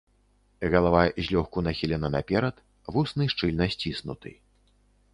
Галава злёгку нахілена наперад, вусны шчыльна сціснуты.